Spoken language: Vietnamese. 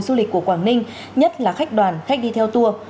du lịch của quảng ninh nhất là khách đoàn khách đi theo tour